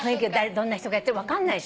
どんな人がやってる分かんないし。